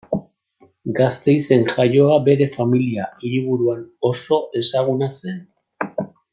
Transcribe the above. Gasteizen jaioa bere familia hiriburuan oso ezaguna zen.